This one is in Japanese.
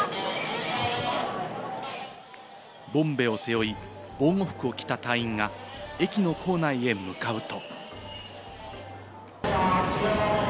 ボンベを背負い、防護服を着た隊員が駅の構内へ向かうと。